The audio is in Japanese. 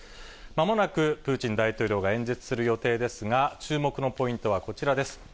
まもなく、プーチン大統領が演説する予定ですが、注目のポイントはこちらです。